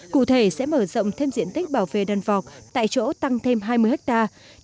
cụ thể sẽ mở rộng thêm diện tích bảo vệ đàn vọc tại chỗ tăng thêm hai mươi hectare